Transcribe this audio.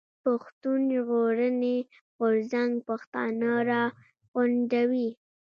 پښتون ژغورني غورځنګ پښتانه راغونډوي.